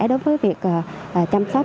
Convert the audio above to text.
đối với việc chăm sóc